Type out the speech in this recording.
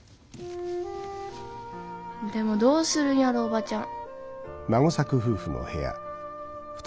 でもどうするんやろ叔母ちゃん。